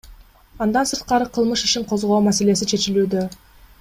Андан сырткары кылмыш ишин козгоо маселеси чечилүүдө.